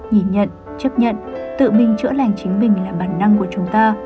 nhìn nhận chấp nhận tự mình chữa lành chính mình là bản năng của chúng ta